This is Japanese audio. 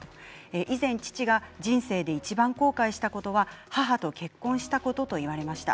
以前、父が人生でいちばん後悔したことは母と結婚したことと言われました。